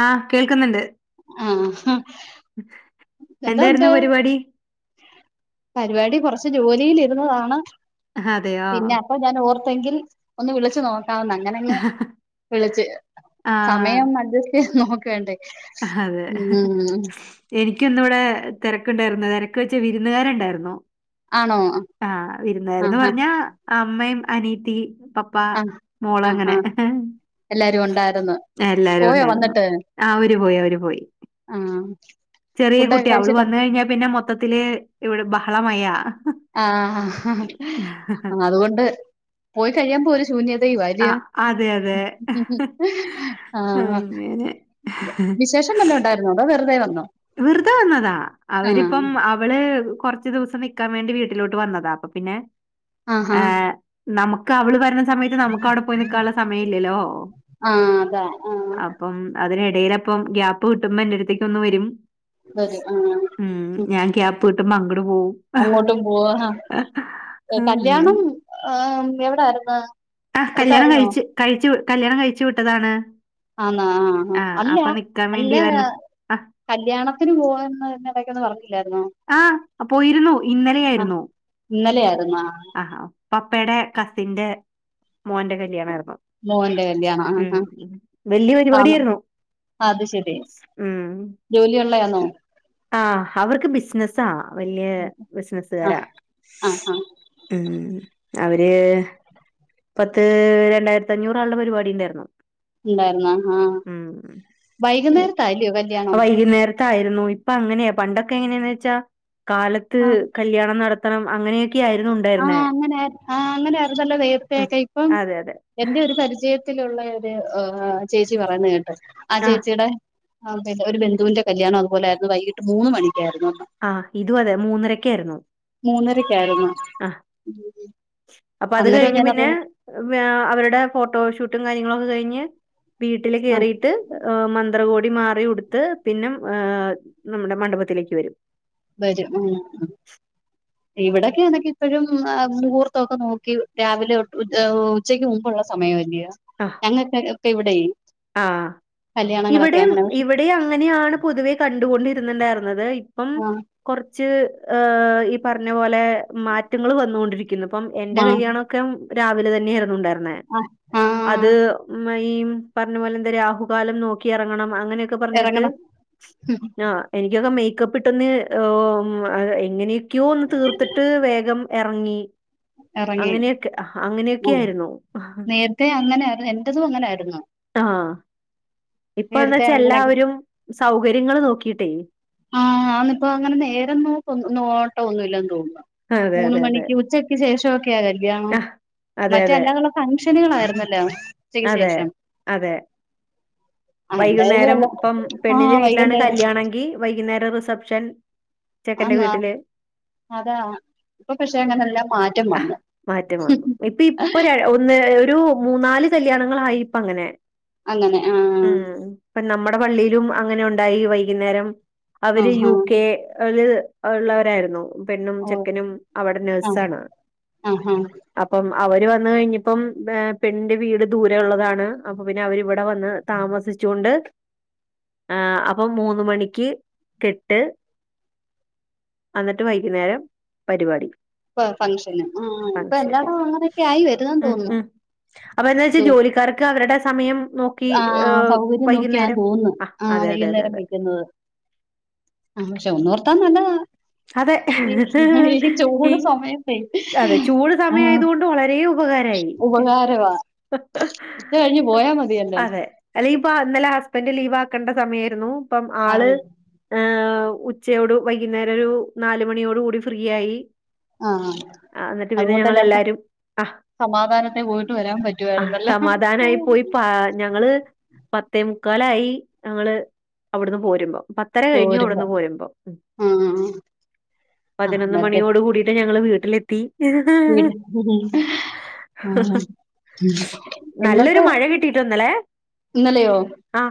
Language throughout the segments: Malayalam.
ആഹ് കേൾക്കുന്നുണ്ട് ആഹ്ഹ എന്താര്ന്നു പരിപാടി ടി കൊറച്ച് ജോലിലിരുന്നതാണ് അതെയോ? പിന്നപ്പൊ ഞാൻ ഓർ തെങ്കിൽ ഒന്ന് വിളിച്ച് നോക്കാന്ന് അങ്ങനങ്ങ് വിളിച്ച് ആ സമയോന്നഡ്ജസ്റ്റ് ചെ [unintelligible] അതെ എനിക്ക് ക്കിന്നിവിടെ തിരക്ക്ണ്ടാരുന്നു തിരക്ക് വെച്ച വിരുന്നുകാര്ണ്ടാര്ന്നു ആണോ ആ വിരുന്നാര്ന്ന് ആഹാ പറഞ്ഞാ അമ്മേം അനിയത്തി പപ്പ ആ മോള് ആ ആ അങ്ങനെ ഹ് എല്ലാരും ഉണ്ടായിരുന്നു ഹ് എല്ലാരും പോയോ ഒണ്ടായിരുന്നു വന്നിട്ട് ആ അവര് പോയി അവര് പോയി ആ ചെറിയ ഫുഡൊക്കെ കുട്ടിയ അവള് കഴിച്ചിട്ട് വന്ന്കഴിഞ്ഞാ പിന്നെ മൊത്തത്തില് ഇവിടെ ബഹളമയാ ആ അതുകൊണ്ട് പോയി കഴിയുമ്പോ ഒര് ആ ശൂന്യതയുവാല്യോയോ അതെ, അതെ. അങ്ങനെ. വിശേഷം വല്ലോം ഉണ്ടായിരുന്നോടോ വെറുതെ വന്നോ വെറുതെ വന്നതാ ആ അവരിപ്പം അവള് കൊറച്ച് ദിവസം നിക്കാൻ വേണ്ടി വീട്ടിലോട്ട് വന്നതാ അപ്പൊ പിന്നെ ആഹ ഏഹ് നമുക്ക് അവള് പറഞ്ഞ സമയത്ത് നമുക്ക് അവിടെ പോയി നിക്കാനുള്ള സമയം ഇല്ലല്ലോ ആ അതാ ആ അപ്പം അതിന [unintelligible] ഗ്യാപ്പ് കിട്ടുമ്പ എന്റെടുത്തേക്കൊന്ന് വരും വരും ആ ഉം ഞാൻ ക്യാ [unintelligible] ട്ട് പോവും അങ്ങോട്ടും പോവാ ആ കല്യാണം അങ്ങനെ ആഹ് എവിടായിരുന്നു ആ കല്യാണം അടുത്തായിരുന്നോ കഴിച്ച് കഴിച്ച് കല്യാണം കഴിച്ചു വിട്ടതാണ് ആന്നോ ആ അല്ലാ അപ്പൊ നിക്കാൻ അല്ല വേണ്ടി വരണ [unintelligible] പോവുന്ന് എന്ന് എടക്കൊന്ന് പറഞ്ഞില്ലായിരുന്നോ ആ ആ പോയിരുന്നു ആ ഇന്നലെയായിരുന്നു ഇന്നലെയ ആയിരുന്നോ ആ പ പ്പെടെ കസിന്റെ മോന്റെ കല്യാണാർന്നു മോന്റെ കല്യാണം വല്യ ആ പരിപാടിയായിരുന്നു ആ അത് ശെരി ഉം ജോലിയൊള്ളയാണോ ആ അവർക്ക് ബിസ്നെസ്സാ വല്ല്യ ബിസിനസുകാരാ ആഹ് ആഹ് ആഹ് ഉം അവര് പത്ത് രണ്ടായിരത്തഞ്ഞൂറാളുടെ പരിപാടി ഉണ്ടായിർന്നു ഉണ്ടായിുന്ന ആഹ് വൈകുന്നേരത്താ അല്യോ കല്യാണം ആയിരുന്നു ഇപ്പൊ അങ്ങനെയാ പണ്ടൊക്കെ എങ്ങനെയാന്ന് വെച്ചാ കാലത്ത് ആഹ് കല്യാണം നട ആ അങ്ങനെയെ ആഹ് അങ്ങനെ ആ അങ്ങനെ ആരുന്നല്ലോ ഉം നേർത്തയക്കെ ഇപ്പം അതെ അതെ എന്റെ ഒരു പരിചയത്തിലുള്ള- ഒര് ചേച്ചി പറയുന്ന കേ ആ ആഹ് ചേചീടെ- ആ അതെന്റെ ഒരു ബന്ധുവിന്റെ കല്യാണം അതു പോല ആയിരുന്നു വൈകി്ട് മൂന്ന് മണിക്ക് - ആ ഇതും അതെ മൂന്നരക്കായിരുന്നു കേറുന്നേ ആ അപ്പൊ അത് അന്നേരം കഴിഞ്ഞ് ഞാനത് പിന്നെ അവരുടെ ഫോട്ടോ ഷൂട്ടും കാര്യങ്ങള- അതുകഴിഞ്ഞ് വീട്ടിൽ ആ കേയറിയിട്ട് മന്ത്രകോടി പടി മാറി ഉടുത്ത് പിന്നെ നമ്മുടെ മണ്ഡപത്തിലേക്ക് വരും വരും ഉം ഇവിടൊക്കെ അതൊക്കെ ഇപ്പോഴും മുഹൂർത്തൊക്കെ നോക്കി രാവിലെ ഉച്ചയ്ക്ക് മുമ്പുള്ളസമയമല്ലോയോ ഞങ്ങക്- ഇവിടെ ആ കല്യാണങ്ങളൊക്കെ ഇവിടെ അങ്ങനെ പക്ഷെ ഇവിടെ അങ്ങനെയാണ് പൊതുവെ കണ്ടുകൊണ്ടിരി - ണ്ടായിരുന്നത് ഇപ്പം ആ കൊറ- റ്റ് ഈ പറഞ്ഞ പോലെ മാറ്റങ്ങൾ വന്നൊണ്ടിരിക്കും ഇന്നിപ്പം എന്റെ മാ- കല്യാണ ഒക്കെ രാവിലെ തന്നെ ഇറരുന്നുണ്ടായിരുന്നു ആ ആ അത് [unintelligible] പറഞ്ഞ പോലെ എന്തെ രാഹുകാലം നോക്കി ഇറങ്ങണം അങ്ങനൊക്കെ പറഞ്ഞിട്ട് ഇറങ്ങണം എനിക്ക് ഇകം മേക്കപ്പ് ഇട്ടന്ന് എങ്ങനെ ക്യൂ ഒന്ന് തീർത്തിട്ട് വേഗം- ഭംഗി ഇറങ്ങി ആ അങ്ങനെയൊക്കെയായിരുന്നു. നേരത്തെ അങ്ങനായിരുന്നു എന്റതും അങ്ങനായിരുന്നു ആ ഇപ്പന്ന് നേരത്തെ വച്ചാ അങ്ങനെ എല്ലാവരും സൗകര്യങ്ങള്നോക്കിട്ടേ ആ അന്നിപ്പോ അങ്ങനെ നേരം നോ നോട്ടോ ഒന്നുല്ലന്ന് തോന്നുന്നു അതെ മൂന്ന് അതെ അതെ. മണിക്ക് ഉച്ചക്ക് ശേഷം ക്ക്യാ കല്യാണം ആ, അതെ അതെ. മറ്റേ അല്ലാതുള്ള ഫംഗഷനുകളായിരുന്നല്ലോ ഉച്ചക്ക് അതെ ശേഷം അതെ ആ വൈകുന്നേരം എന്തായാലും ഇപ്പം ആ വൈകുന്നേരം രം റിസെപ്ഷൻ ആന്ന് അതാ ഇപ്പൊ പക്ഷെ അങ്ങനെ എല്ലാ മാറ്റം ആഹ് വന്നു മാറ്റം വന്നു ഇപ്പ ഇപ്പൊ ഒന്ന് ഒരു മൂന്നാല് കല്യാണങ്ങളായി ഇപ്പങ്ങനെ അങ്ങനെ ആഹ് മ്മടെ പള്ളിയിലും അങ്ങനെ ഉണ്ടായി വൈകുന്നേരം അവര് ആഹാ യു കെ ല് ഒള്ളവരായിരുന്നു പെണ്ണും ഓ ചെക്കനും അവിടെ ആ നേഴ്സ്സാണ് ആഹാ അപ്പം അവര് വന്ന് കഴിഞ്ഞപ്പം പെണിന്റെ വീട് ദൂരെ ഒള്ളതാണ് അപ്പൊ പിന്നെ അവരിവടെ വന്ന് താമസിച്ചൂണ്ട് ആ അപ്പം മൂന്ന് മണിക്ക് കെട്ട് അന്നിട്ട് വൈകുന്നേരം പരുപാടി ഫംഗ്ഷന് ആ അ ഇപ്പൊ ശരി എല്ലായിടവും അങ്ങനെയൊക്കെ ആയി വരുന്നെന്ന് ഉ തോന്നുന്നു ഉ അപ്പ ന്താ വെച്ചാ ജോലിക്കാർക്ക് അവരടെ സമയം നോക്കി ആ ഏഹ് സൗകര്യം നോക്കിയാന്ന് വൈകുന്നേരം തോന്ന്ന് ആഹ് ആ അതെ അതെ അതെ വൈയ്ന്നേരം അതെ വെക്കുന്നത് ആഹ് പക്ഷെ ഒന്നോർത്താ നല്ലതാ അതെ ഈ ഈ ഈ ചൂട് സമയത്തെ അതെ ചൂട് ആ സമയായതൊണ്ട് വളരെ ഉപകാരായി ഉപകാരവാ ഉച്ച കഴിഞ്ഞ് പോയാ മതിയല്ലോ അതെ അല്ലെ- ഇപ്പ ഇന്നലെ ഹസ്ബന്ഡ് ലീവാക്കണ്ട സമയാരുന്നു ഇപ്പം ആള് ആരും ങ് ഉച്ചയോട് വൈകുന്നേരം ഒരു നാല് മണിയോടൂടി ഫ്രീയായി ആ ആ ന്നിട്ട് പിന്നെ അതുകൊണ്ട് എല്ലാർക്കും ഞങ്ങളെല്ലാരും ആ സമാധാനത്തെ പോയിട്ട് വരാൻ അ പറ്റുവായിരുന്നല്ലേ സമാധാനായി പോയി പാ ഞങ്ങള് പത്തേമുക്കാലായി ഞങ്ങള് അവിടുന്ന് പോരുമ്പൊ പത്തര കഴിഞ്ഞു പോരുമ്പോ അവിടുന്ന് പോരുമ്പോ ആ ആ പതിനൊന്ന് അന്നത്തെ മണിയോട്കൂടിട്ട് ഞ ങ്ങള് വീട്ടിലെത്തി നല്ലൊരു ഇന്നത്തെ മഴ കിട്ടിട്ടോ ഇന്നലെ ഇന്നലെയോ ആ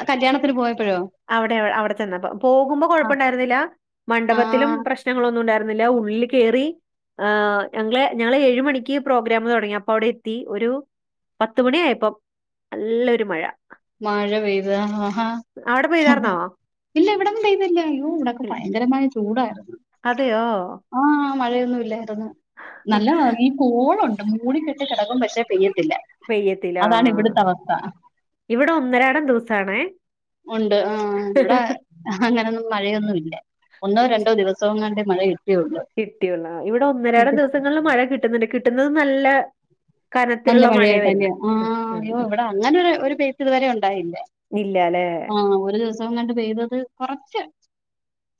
അ കല്യാണത്തിന് പോയപ്പഴോ അവിടെ അവിടെ ചെന്നപ്പം പോകുമ്പോ കൊഴപ്പൊണ്ടായിരുന്നില്ല മണ്ഡപത്തിലും ആഹ് പ്രശ്നങ്ങളൊ ന്നുണ്ടായിരുന്നില്ല ഉള്ളിൽ കേറി ആ ഞങ്ങളെ ഞങ്ങള് ഏഴ് മണിക്ക് പ്രോഗ്രാം തുടങ്ങി അപ്പൊ അവിടെയെത്തി ഒരു പത്തുമണിയായപ്പം നല്ലൊരു മഴ മഴ പെയ്തു ആ ഹ ഹ അവിടെ പെയ്താർന്നോ ഇല്ല ഇവിടൊന്നും പെയ്തില്ല അയ്യോ ഇവിടൊക്കെ ഇൽ ഭയങ്കരമായ ചൂടായ്ര്ന്ന്. അതെയോ മഴയൊന്നുഇല്ല നല്ല ഈ പോളുണ്ട് മൂടിക്കെട്ടികെടക്കും പക്ഷെ പെയ്യ ത്തില്ല അതാണ് ഇവിടുത്തവസ്ഥ ഇവടെ ഒന്നരാടം ദിവസാണേ ഉണ്ട് ന്നുല്ല ഒന്നോ രണ്ടോ ദിവസോങ്ങാണ്ടെ മഴ കി കിട്ടിയുള്ളു ആ ഇവിടെ ഒന്നരാടം ദിവസങ്ങളില് മഴ കിട്ട്ന്ന്ണ്ട് കി ട്ടുന്നത് നല്ല നല്ല കനത്തിലുള്ള മഴയാ മഴയായിട്ടല്ലേ വരുന്നെ ഉം ആഹ് അയ്യോ ഉം ഇവടെ അങ്ങനെ ഒരു ഒരു പെയ്ത്ത് ഇതുവരെ ഉണ്ടായില്ല ഇല്ലാല്ലേ ആഹ് ഒരു ദിവസങ്ങാണ്ട് പെയ്തത് കൊറച്ച്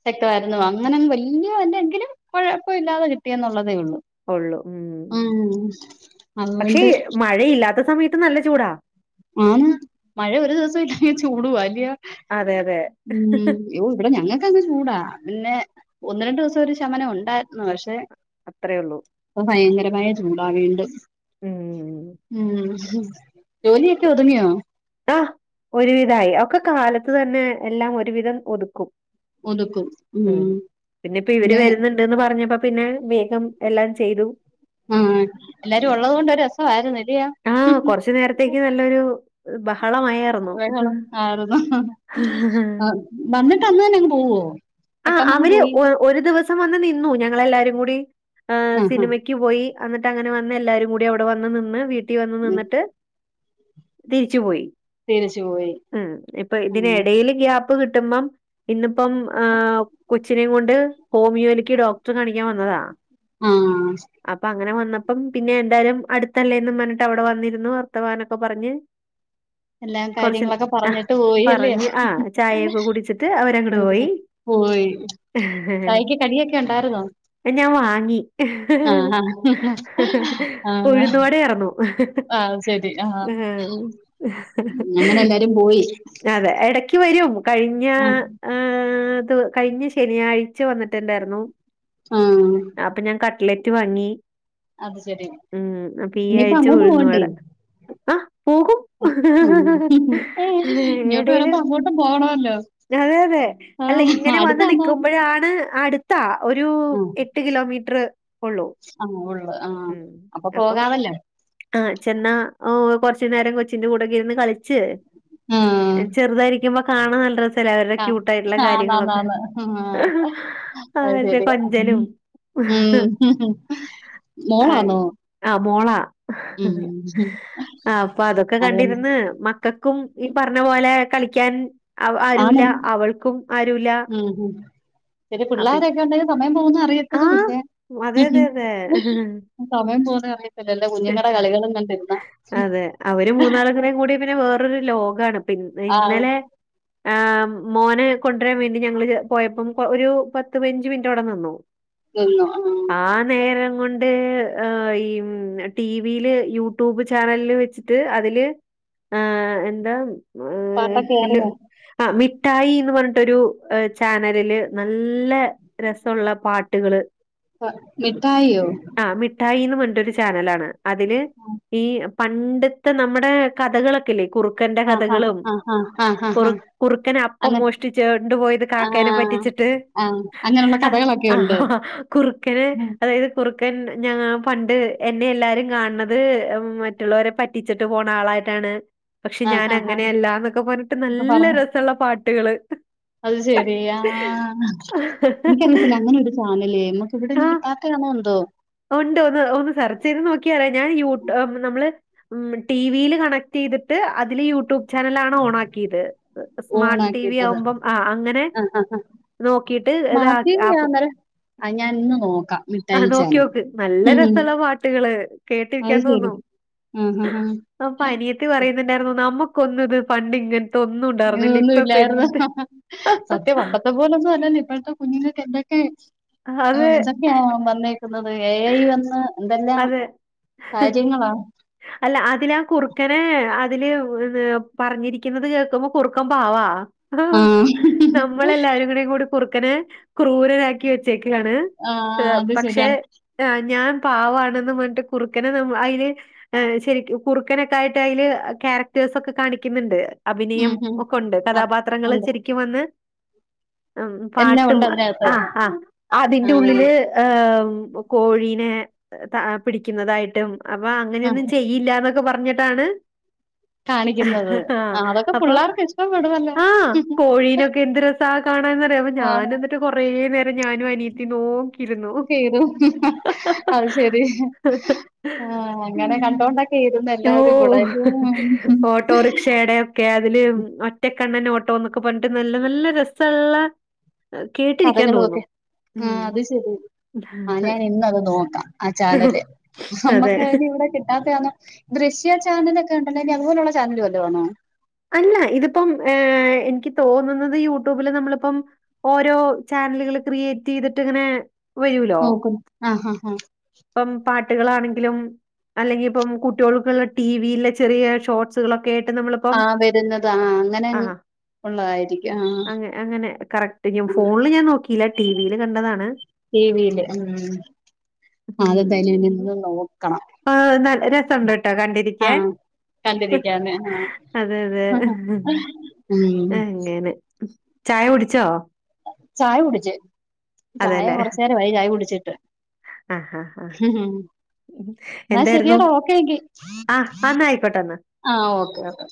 ശക്തം ആയിരുന്നു അങ്ങനെ ങ്ങ് വല്ല്യ വല്ല എങ്കിലും കൊഴപ്പോല്ലാതെ കിട്ടിന്നുള്ളു തേള്ളു ഒള്ളൂ. ഉം പക്ഷെ അതുകൊണ്ട് മഴയില്ല ല്ലാത്ത സമയത്ത് നല്ല ചൂടാ ആന്ന് മഴ ഒരു ദിവസം ഇല്ലാഞ്ഞ് ചൂടുവാ അല്ല്യയോ അതെ അതെ ഉം യ്യോ ഇവിടെ ഞങ്ങക്കങ്ങ ചൂടാ പിന്നെ ഒന്ന് രണ്ടു ദെവസം ഒരു ശമനം ഉണ്ടായിരുന്നു പഷേ- അത്രേ ഉള്ളൂ മായ [unintelligible] ചൂടാ വീണ്ടും ഉം ഉം ജോലിയൊക്കെ ഒതുങ്ങിയോ ഒരുവിധായ ഒക്കെ കാലത്ത് തന്നെ എല്ലാം ഒരുവിധം ഒതുക്കും ഉം പിന്നെപ്പോ ഇവര് പിന്നെ വരുന്നുണ്ട്ന്ന് പറഞ്ഞപ്പോ പിന്നെ വേഗം എല്ലാം ചെയ്തു ആ എല്ലാരും ഒള്ളത് കൊണ്ട് രു രസായിരുന്നു ഇല്ലിയോ ആഹ് കൊറച്ചു നേരത്തേക്ക് നല്ലൊരു- ബഹ ബഹളം ആയിരുന്നു ആ വന്നിട്ട് അന്ന്ന്നെ അങ്ങ് പോവോ പെട്ടെന്ന് അങ്ങ് പോയി സം വന്ന് നിന്നു ഞങ്ങളെല്ലാരും കൂടി ആഹ് ആഹാ സിനിമയ്ക്ക് പോയി അന്നിട്ട് അങ്ങനെ വന്ന് എല്ലാരും കൂടി അവിടെ വന്ന് നിന്ന് വീട്ട ട്ടിവന്ന് നിന്നിട്ട് തിരിച്ച് പോയി തിരിച്ചു പോയി ഉം ഇപ്പൊ ഇതിനെടയില് ഗ്യാപ പ്പ് കിട്ടുമ്പം ഇന്നിപ്പം ആഹ് കൊച്ചിനെ കൊണ്ട് ഹോമിയോ ലിക്ക് ഡോക്ടറെ കാണിക്കാൻ വന്നതാ ആഹ് അപ്പൊ അങ്ങനെ വന്നപ്പം പിന്നെ എന്തായാലും അടുത്തല്ലേന്ന് പ അവിടെ വന്നിരുന്നു വർത്തമാനൊക്കെ പറഞ്ഞ് എല്ലാ കുറച്ച കാര്യങ്ങളൊക്കെ ആ പറഞ്ഞിട്ട് പോയി അല്ലേ പറഞ്ഞ് ആ ചായയൊക്കെ കുടിച്ചിട്ട് അവരങ്ങോട്ട് പോയി പോയി ചായക്ക് കടിയൊക്കെ ഉണ്ടായിരുന്നോ ഞാൻ വാങ്ങി ആഹ് ആഹ് ആഹ് ഉഴുന്നുവട ആയിരുന്നു ഉ ആഹ് ശരി ആഹ് അങ്ങനെ എല്ലാരും പോയി അതെ എട ക്ക് വരോ കഴിഞ്ഞ ആഹ് ഹ കഴിഞ്ഞ ശനിയാഴ്ച വന്നിട്ടുണ്ടായിരുന്നു ആ കട്ലേറ്റ് വാങ്ങി അത് ശെരി ഇനിയിപ്പ അങ്ങോ ഉഴുന്ന് വട ആ പോകും ആഹ് ഇങ്ങോട്ട് എടേല് വരുമ്പോ അങ്ങോട്ടും പോകണമല്ലോ അതെ അതെ അല്ല ആഹ് ഇങ്ങനെ വന്ന് അടുത്താന്നോ നിക്കുമ്പോഴാണ് അടുത്താ ഒരു എട്ട് കിലോമീറ്ററ് ആ ഉള്ളൂ ആ അപ്പൊ അപ്പം പോകാമല്ലോ ആ ചെന്നാ ഓ കൊറച്ചു നേരം കൊച്ചിന്റെ കൂടെകെ ഇരുന്ന് കളിച്ച് ചെറുതായിരിക്കുമ്പോ കാണാ നല്ല രസ് ആആന്ന് ആന്ന് ആന്ന് ആ അത് ആ ശരിയാ ഉ കൊഞ്ചലും ആ മോളാന്നോ ആ, മോളാ ഉം ആ അപ്പൊ അതൊക്കെ അതുകൊണ്ട് കണ്ടിരുന്ന് മക്ക ക്കും ഈ പറഞ്ഞ പോലെ കളിക്കാൻ ആന്നു ആരുല്ല അവൾക്കും ആരുല്ല ശരി അപ്പ പിള്ളാരൊക്കെ ഉണ്ടെങ്കിൽ സമയം പോകുന്ന ആഹ് അറിയത്തതുമില്ല അതെ അതെ അതെ സമയം പോകുന്ന അറിയത്തില്ലല്ലോ കുഞ്ഞുങ്ങ അതെ അവര് മൂന്നാളും കൂടെ കൂടിയ പിന്നെ വേറൊരു ലോകാണ് പിന്നെ ആ ഇന്നലെ ആ മോനെ കൊണ്ടുവരാൻ വേണ്ടി ഞങ്ങള് പോയപ്പം ഒരു പത്ത് പതിനഞ്ചു മിനിറ്റവിടെ നിന്നു ആ നേരം ണ്ടേ ആ ഉം ടിവിയില് യൂട്യൂബ് ചാനലില് വെച്ചിട്ട് അതില് ആ എന്താ ടി [unintelligible] ട്ടായി എന്ന് പറഞ്ഞിട്ടൊരു ചാനലില് നല്ല രസമുള്ള പാട്ടുകള് മിഠായിയോ ആ മിഠായിന്ന് പ ഒരു ചാനല് ആണ് അതില് ഈ പണ്ടത്തെ നമ്മുടെ കഥകളൊക്കെയില്ലേ കുറുക്കന്റെ ആഹാ കഥകളും ആഹാ ആഹാ ഹാ ആ ഹാ ഹാ കുറുക്കന് അപ്പം അങ്ങനെ മോഷ്ടിച്ച് കൊണ്ട് പോയത് ആ കാക്കനെ പറ്റിച്ചിട്ട് ആ അങ്ങനെയുള്ള കഥകളൊക്കെ ഉണ്ട് കുറുക്കന് അതായത് കുറു ഞാൻ പണ്ട് എന്നെ എല്ലാരും കാണണത് മറ്റുള്ളവരെ പറ്റിച്ചിട്ട് പോണ ആളായിട്ടാണ് പക്ഷെ ഞാൻ ആഹാ അങ്ങനെ അല്ലാന്നൊക്കെ പറഞ്ഞിട്ട് ഇപ്പൊ നല്ല പറഞ്ഞു രസമുള്ള പാട്ട് കുട്ടികള് അത് ശെരിയ ആ എനിക്കറിയത്തില്ല അങ്ങനെ ഒരു ചാനല് നമ്മക്ക് ആ ഇവിടെങ്ങും കിട്ടാത്താണോ എന്തോ [unintelligible] ടീവീല് കണ്ണക്ട് ചെയ്തിട്ട് അതില് യൂടൂ ചാനലാണോ ഓണാക്കിയത് ഓൺ സ്മാർട്ട് ടിവി ആക്കിയിട്ടത് ആവുമ്പം ആ അങ്ങനെ ആ നോക്കിട്ട് ഏത സ്മാർട്ട് ടി വി ആപ്പ് ആന്നേരം ആ ഞാൻ ഇന്ന് നോക്കാം മിഠായി ചാനൽ നോക്ക്യോക്ക് നല്ല ഉം. രസള്ള പാട്ടുകള് അത് ശരി കേട്ടിരിക്കാൻതോന്നും ആഹാ ഹാ ഹാ അപ്പൊ അനിയത്തി പറ ന്നുണ്ടായിരുന്ന് നമുക്കൊന്നിത് പണ്ടി ഇതൊന്നും ഇല്ലായിരുന്ന് ഹ ഹ ഹ സത്യം പണ്ടത്തെ പോലൊന്നും അല്ലല്ലോ ഇപ്പൊ ഇപ്പഴത്തെ കുഞ്ഞുങ്ങൾക്ക് എന്തൊക്കെ ആ അതെ എന്തൊക്കെയാ വന്നേക്കു ത് ഏ ഐ വന്ന് എന്തെല്ലാം അതെ ഹ് കാര്യങ്ങളാ അല്ല അതിലാ കുറുക്കനെ അതില് പറഞ്ഞിരിക്കുന്നത് കേൾക്കുമ്പോ കുറുക്കൻ പാവാ ആ ക്കനെ ക്രൂരനാക്കി വെ ക്കലാണ് ആഹ് അത് പക്ഷേ ശരിയാണ് ഞാൻ പാവവാണെന്നും പറഞ്ഞിട്ട് കുറുക്കനെ നമ്മ അയില് ഏ ശരിക്ക് കുറുക്കനൊക്കെ ആയിട്ട് അയില് ക്യാരക്ടേസൊക്കെ കാണിക്ക്ന്ന്ണ്ട് ഉം അഭിനയം ഉം ഒക്കെ ഉണ്ട് ആഹ് കഥാപാത്രങ്ങൾ ഉണ്ട് ശരിക്കും വന്ന് ഉം എല്ലാം പാട്ടും ഉണ്ട് അതിനകത്ത് ആ ആ അതിന്റെ ആഹ് ഉള്ളില് ഏ കോഴീനെ ത പിടിക്ക്ന്നതായിട്ടും അപ്പൊ ആഹ് അങ്ങനെയൊന്നും ചെയ്യില്ലാന്നൊ ക്കെ പറഞ്ഞിട്ടാണ് ഹ കാണിക്കുന്നത് ഹ ആ ആഹ് അതൊക്കെ അപ്പൊ പിള്ളേർക്ക് ഇഷ്ടപ്പെടുവല്ലോ ആ കോഴീനൊക്കെ എന്ത് രസാ കാണാന്നറിയ പ്പ ആഹ് ഞാനുന്നിട്ട് കൊറേ നേരം ഞാനും അനിയത്തിം നോക്കിയിര് [unintelligible] അ ശരി ഹ് ആ അങ്ങനെ ഉം കണ്ടോണ്ടൊക്കെ ഇരുന്ന് എല്ലാരും കൂടെ ഓഹ് ക്കെ അതില് ഒറ്റക്കെണ്ണൻ ഒ ട്ടൊന്നൊക്കെ പറഞ്ഞിട്ട് നല്ല നല്ല രസള്ള കേട്ടിരിക്കാൻ കഥകളൊക്കെ തോന്നും ആ ഉം അത് ശരി ആ ഞാൻ ഇന്നത് നോക്കാം ആ ചാനല് അതെ നമ്മക്ക്ന് ഇവിടെ കിട്ടാത്തേയാന്ന് ദൃശ്യ ചാനലക്കെ ഒണ്ടല്ലോ ഇനി അത്പോലുള്ള ചാനലുവല്ലോ ആണോ അല്ല ഇതിപ്പം ഏ എനിക്ക് തോന്നുന്നത് യൂട്യൂബില് നമ്മളിപ്പം ഓരോ ചാനലുകൾ ക്രിയേറ്റ് റ്റെയ്തിട്ട് ഇങ്ങനെ വരൂലോ ആ പം പാ ട്ട് കളാണെങ്കിലും അല്ലെങ്കിപ്പം കുട്ടോൾക്ക്ള്ള ടിവിയിലെ ചെറിയ ഷോർട്സ്ക കേട്ട് നമ്മളിപ്പം ആഹ് വരുന്നത് ആഹ് അങ്ങനെ ആ ഉള്ളതായിരിക്കും ആഹ് അങ്ങ അങ്ങനെ കറക് ഫോണിൽ ഞാ നോക്കി ഇല്ല ടിവിയില് കണ്ടതാണ് ടിവിയില് ഉം അത് എന്തായാലുംനിന്ന് നോക്കാം ആ അ നല്ല രസണ്ട്ട്ടോ കണ്ടിരിക്കാൻ ആഹ് കണ്ടിരിക്കാന് അതെയതെ ആഹ് ഉം എങ്ങനെ ചായ കുടിച്ചോ ചായ കുടിച്ച് ചായ അതെല്ലേ കൊറച്ച് നേരമായി ചായ കുടിച്ചി ആഹ് ആഹ് ആഹ് [unintelligible] ഉം ഉം ന്നാ എന്തായിരുന്നു ശരിയാടാ ഓക്കെ എങ്കി ആഹ് എന്നാ ആയിക്കോട്ടെ എന്നാ ആ ഓക്കെ ഓക്കെ